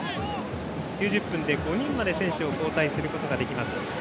９０分で５人まで選手交代ができます。